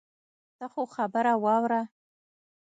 ته خو خبره واوره.